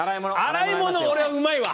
洗い物、俺、うまいわ。